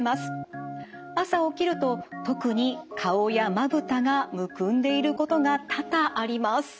朝起きると特に顔やまぶたがむくんでいることが多々あります。